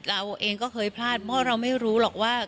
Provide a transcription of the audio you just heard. เราเองก็เคยพลาดเพราะเราไม่รู้หรอกว่า